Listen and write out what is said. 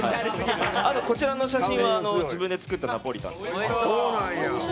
こちらの写真は自分で作ったナポリタン。